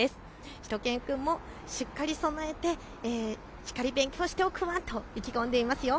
しゅと犬くんもしっかり備えてしっかり勉強しておくワンと意気込んでいます。